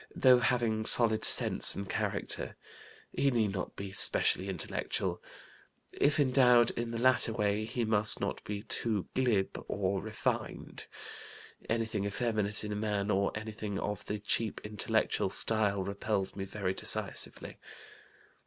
Though having solid sense and character, he need not be specially intellectual. If endowed in the latter way, he must not be too glib or refined. Anything effeminate in a man, or anything of the cheap intellectual style, repels me very decisively.